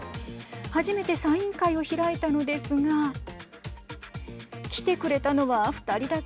初めてサイン会を開いたのですが来てくれたのは２人だけ。